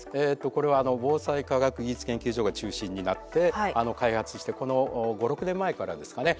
これは防災科学技術研究所が中心になって開発してこの５６年前からですかね